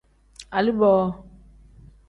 Aliboo.